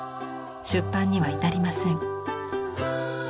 出版には至りません。